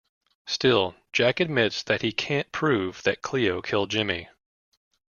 Still, Jack admits that he can't prove that Cleo killed Jimmy.